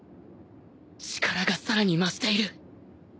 力がさらに増している